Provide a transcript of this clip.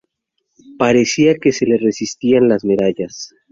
Parecía que se le resistían las medallas.